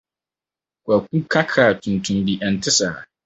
Kwaku ka kar tuntum bi, ɛnte saa?